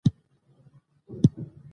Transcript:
ادبي کره کتنه ادبيات ارزوي يا يې کره کوي.